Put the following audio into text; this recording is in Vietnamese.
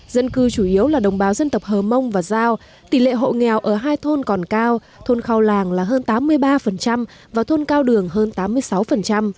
dân cư chủ yếu là đồng bào dân tộc hờ mông và giao tỷ lệ hộ nghèo ở hai thôn còn cao thôn khao làng là hơn tám mươi ba và thôn cao đường hơn tám mươi sáu